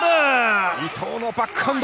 伊藤のバックハンド！